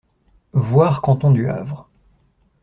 Voir Cantons du Havre.